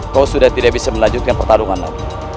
kau sudah tidak bisa melanjutkan pertarungan lagi